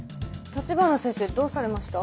橘先生どうされました？